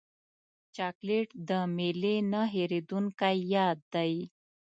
چاکلېټ د میلې نه هېرېدونکی یاد دی.